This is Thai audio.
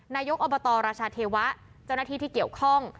นายกอบตรราชาเทวะเจ้าหน้าที่ที่เกี่ยวข้อง